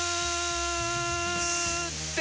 って